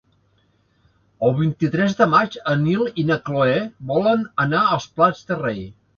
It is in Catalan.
El vint-i-tres de maig en Nil i na Cloè volen anar als Prats de Rei.